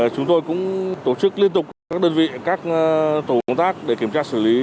chúng tôi cũng tổ chức liên tục các đơn vị các tổ công tác để kiểm tra xử lý